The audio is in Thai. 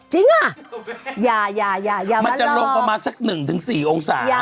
จริงอ่ะอย่ามันจะลงประมาณสัก๑๔องศา